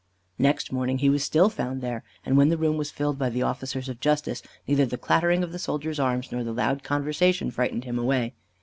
Next morning he was still found there; and when the room was filled by the officers of justice, neither the clattering of the soldiers' arms nor the loud conversation frightened him away.